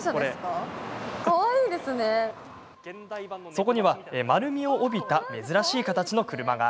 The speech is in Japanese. そこには、丸みを帯びた珍しい形の車が。